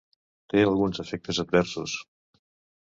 Té alguns efectes adversos.